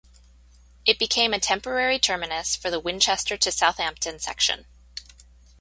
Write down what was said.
It became a temporary terminus for the Winchester to Southampton section.